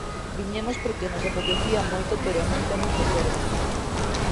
Viñemos porque nos apetecía moito pero non temos reserva.